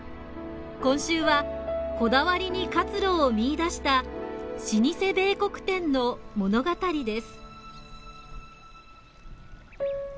今週はこだわりに活路を見いだした老舗米穀店の物語です。